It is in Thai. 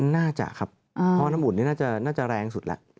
น่าจะครับเพราะน้ำอุ่นนี่น่าจะแรงสุดแหละ